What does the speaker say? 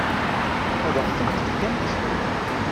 Ad ɣ-ten-fkent?